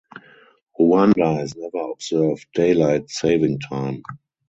Rwanda has never observed daylight saving time.